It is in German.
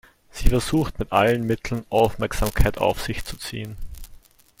Sie versucht mit allen Mitteln, Aufmerksamkeit auf sich zu ziehen.